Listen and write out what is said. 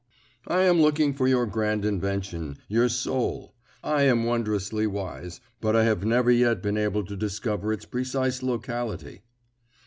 "I am looking for your grand invention, your soul. I am wondrously wise, but I have never yet been able to discover its precise locality."